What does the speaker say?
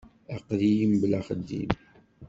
Aql-iyi mebla axeddim.